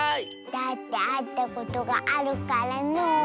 だってあったことがあるからのう。